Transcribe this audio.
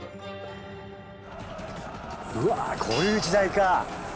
うわこういう時代か。